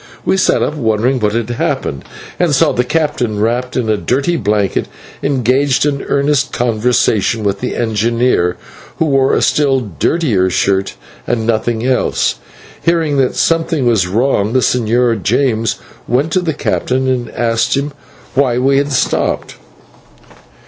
We sat up wondering what had happened, and saw the captain, wrapped in a dirty blanket, engaged in earnest conversation with the engineer, who wore a still dirtier shirt, and nothing else. Hearing that something was wrong, the Señor James went to the captain and asked him why we had stopped.